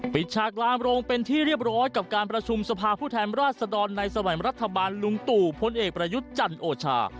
ฉากลามโรงเป็นที่เรียบร้อยกับการประชุมสภาผู้แทนราชดรในสมัยรัฐบาลลุงตู่พลเอกประยุทธ์จันทร์โอชา